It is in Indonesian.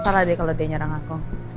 salah deh kalau dia nyerang aku